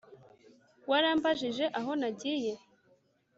warambajije aho nagiye